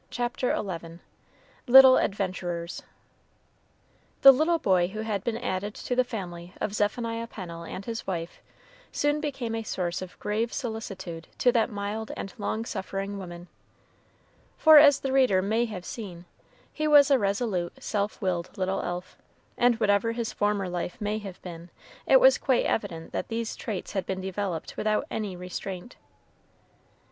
CHAPTER XI LITTLE ADVENTURERS The little boy who had been added to the family of Zephaniah Pennel and his wife soon became a source of grave solicitude to that mild and long suffering woman. For, as the reader may have seen, he was a resolute, self willed little elf, and whatever his former life may have been, it was quite evident that these traits had been developed without any restraint.